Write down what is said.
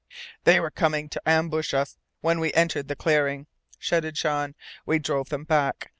"They were coming to ambush us when we entered the clearing!" shouted Jean. "We drove them back.